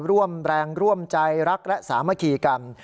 ร่วมแรงร่วมใจรักและสามัคคีกัน